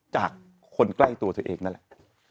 จากคนใกล้ตัวเธอเองนั่นแหละ